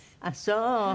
あっそう。